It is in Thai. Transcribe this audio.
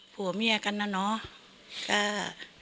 ผัวเมียกันนะเนาะ